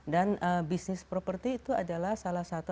dan bisnis properti itu adalah salah satu